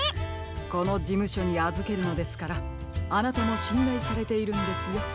このじむしょにあずけるのですからあなたもしんらいされているんですよブラウン。